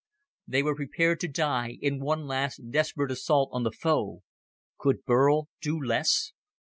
They were prepared to die in one last desperate assault on the foe. Could Burl do less?